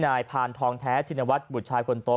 นายพาลทอมแท้ชินวัฒน์บทชายคนโต